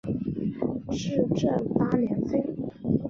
至正八年废。